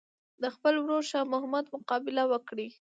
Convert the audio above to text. د خپل ورور شاه محمود مقابله وکړي.